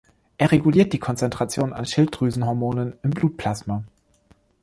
Er reguliert die Konzentration an Schilddrüsenhormonen im Blutplasma.